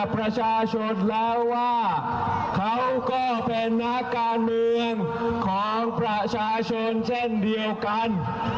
ประชาชนแล้วว่าเขาก็เป็นนักการเมืองของประชาชนเช่นเดียวกัน